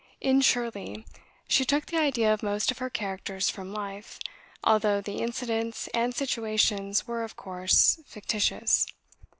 In "Shirley" she took the idea of most of her characters from life, although the incidents and situations were, of course, fictitious.